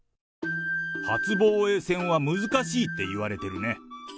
初防衛戦は難しいっていわれてるね。